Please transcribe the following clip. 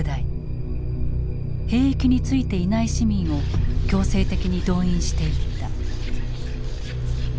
兵役に就いていない市民を強制的に動員していった。